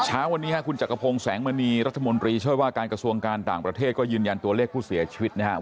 เช้าวันนี้คุณจักรพงศ์แสงมณีรัฐมนตรีช่วยว่าการกระทรวงการต่างประเทศก็ยืนยันตัวเลขผู้เสียชีวิตนะครับ